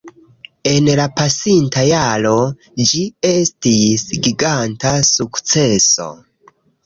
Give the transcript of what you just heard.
En la pasinta jaro, ĝi estis giganta sukceso